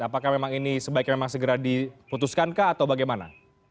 apakah memang ini sebaiknya segera diputuskankah atau bagaimana